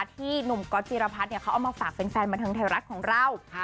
ที่หนุ่มก๊อตจิรพัฒน์เขาเอามาฝากแฟนบันเทิงไทยรัฐของเรา